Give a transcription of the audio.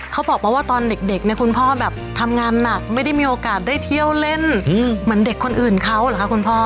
เขาบอกมาว่าตอนเด็กเนี่ยคุณพ่อแบบทำงานหนักไม่ได้มีโอกาสได้เที่ยวเล่นเหมือนเด็กคนอื่นเขาเหรอคะคุณพ่อ